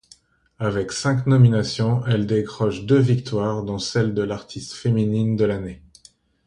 Avec cinq nominations, elle décroche deux Victoires dont celle de l'artiste féminine de l'année.